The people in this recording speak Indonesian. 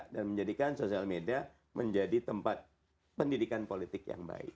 dan menjadikan sosial media menjadi tempat pendidikan politik yang baik